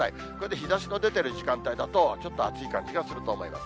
日ざしの出ている時間帯だと、ちょっと暑い感じがすると思います。